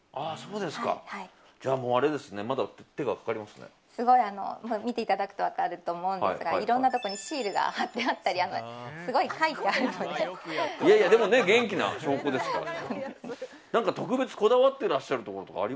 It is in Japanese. すごい見ていただくと分かると思うんですがいろんなところにシールが貼ってあったりでも元気な証拠ですから。